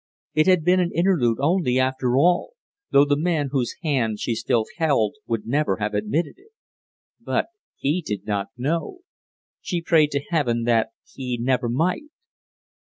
It had been an interlude only, after all, though the man whose hand she still held would never have admitted it. But he did not know! She prayed to Heaven that he never might.